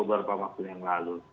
beberapa waktu yang lalu